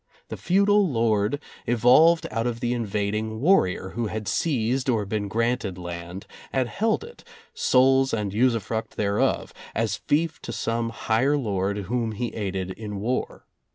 The feudal lord evolved out of the invading warrior who had seized or been granted land and held it, souls and usufruct thereof, as fief to some higher lord whom he aided in war.